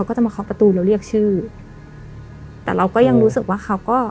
ก็จะมาเคาะประตูแล้วเรียกชื่อแต่เราก็ยังรู้สึกว่าเขาก็